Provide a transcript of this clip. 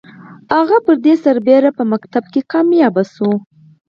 هغه پر دې سربېره په ښوونځي کې بریالی و